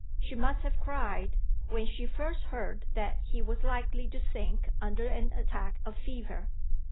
She must have cried, when she first heard that he was likely to sink under an attack of fever.